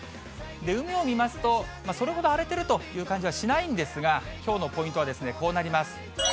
海を見ますと、それほど荒れてるという感じはしないんですが、きょうのポイントはこうなります。